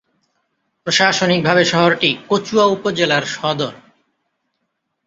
প্রশাসনিকভাবে শহরটি কচুয়া উপজেলার সদর।